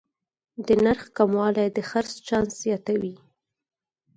د نرخ کموالی د خرڅ چانس زیاتوي.